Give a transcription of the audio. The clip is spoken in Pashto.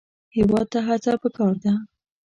هېواد ته هڅه پکار ده